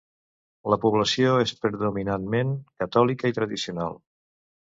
La població és predominantment catòlica i tradicional.